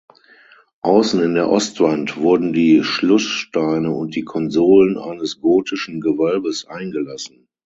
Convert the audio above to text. Außen in der Ostwand wurden die Schlusssteine und die Konsolen eines gotischen Gewölbes eingelassen.